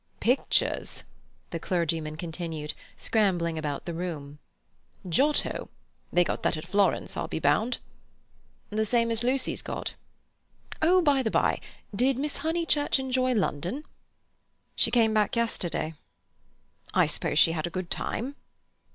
"Pictures!" the clergyman continued, scrambling about the room. "Giotto—they got that at Florence, I'll be bound." "The same as Lucy's got." "Oh, by the by, did Miss Honeychurch enjoy London?" "She came back yesterday." "I suppose she had a good time?"